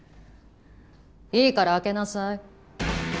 いいから空けなさい。